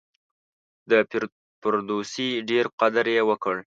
د فردوسي ډېر قدر یې وکړ.